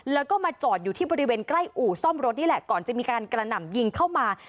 แล้วก็มาจอดอยู่ที่บริเวณใกล้อู่ซ่อมรถนี่แหละก่อนจะมีการกระหน่ำยิงเข้ามา